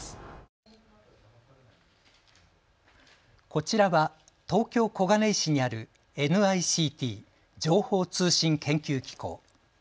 こちらは東京小金井市にあるＮＩＣＴ・情報通信研究機構。